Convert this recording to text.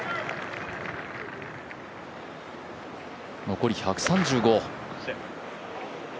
残り１３５。